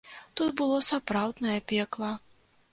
Тут было сапраўднае пекла!